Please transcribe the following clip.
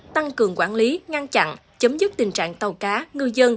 tăng cường quản lý ngăn chặn chấm dứt tình trạng tàu cá ngư dân